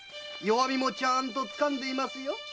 弱みもちゃんとつかんでいますよ。